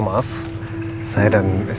kita akan mengambil airnya